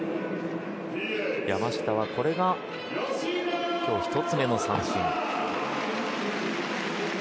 山下はこれが今日、１つ目の三振。